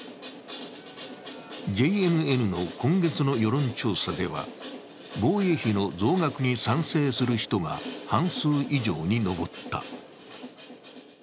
ＪＮＮの今月の世論調査では、防衛費の増額に賛成する人が半数以上に上った。